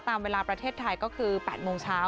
ตามเวลาประเทศไทยก็คือ๘โมงเช้า